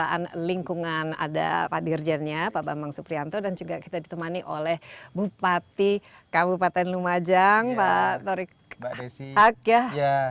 pelaksanaan lingkungan ada pak dirjennya pak bambang suprianto dan juga kita ditemani oleh bupati kabupaten lumajang pak torik akiah